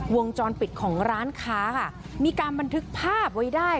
วงจรปิดของร้านค้าค่ะมีการบันทึกภาพไว้ได้